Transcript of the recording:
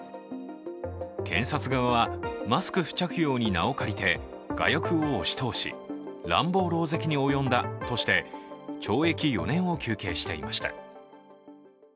検察側は、マスク不着用に名を借りて我欲を押し通し、乱暴狼藉に及んだとして懲役４年を求刑していました。